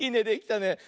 できたね。